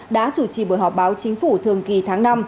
đã chủ trì buổi họp báo chính phủ thường kỳ tháng năm